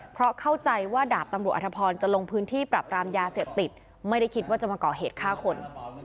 เพราะเข้าใจว่าดาบตำรวจอธพรจะลงพื้นที่ปรับรามยาเสพติดไม่ได้คิดว่าจะมาก่อเหตุฆ่าคน